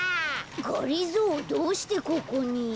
がりぞーどうしてここに？